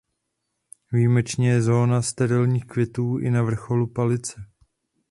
Výjimečně je zóna sterilních květů i na vrcholu palice.